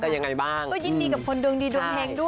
แต่ซื้อเพราะว่ามันของพี่เขาจริงไม่ซื้ออยู่แล้ว